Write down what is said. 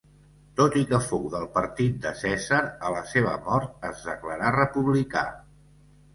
Tot i que fou del partit de Cèsar a la seva mort es declarà republicà.